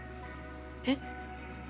えっ？